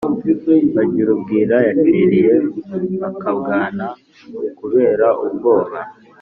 Bagirubwira yaciririye akabwana kubera ubwoba